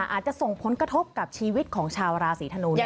อาจจะส่งผลกระทบกับชีวิตของชาวราศีธนู